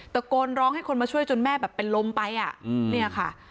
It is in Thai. ตะโกนร้องให้คนมาช่วยจนแม่แบบเป็นลมไปอ่ะ